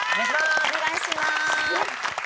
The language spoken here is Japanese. お願いします。